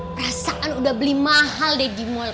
perasaan udah beli mahal deh di mall